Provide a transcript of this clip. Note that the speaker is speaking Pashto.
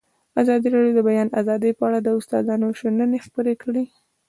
ازادي راډیو د د بیان آزادي په اړه د استادانو شننې خپرې کړي.